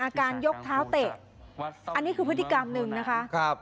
การยกเท้าเตะอันนี้คือพฤติกรรมหนึ่งนะคะครับ